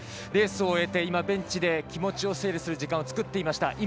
レースを終えて、今、ベンチで気持ちを整理する時間を作っていました。